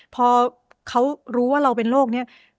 พอเขารู้ว่าเราเป็นโรคนี้